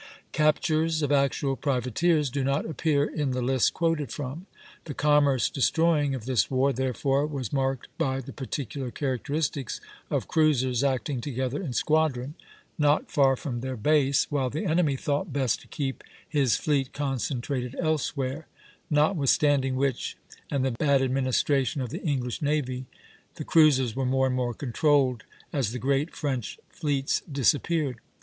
Captures of actual privateers do not appear in the list quoted from. "The commerce destroying of this war, therefore, was marked by the particular characteristics of cruisers acting together in squadron, not far from their base, while the enemy thought best to keep his fleet concentrated elsewhere; notwithstanding which, and the bad administration of the English navy, the cruisers were more and more controlled as the great French fleets disappeared."